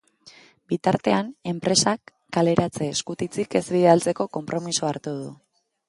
Bitartean, enpresak kaleratze-eskutitzik ez bidaltzeko konpromisoa hartu du.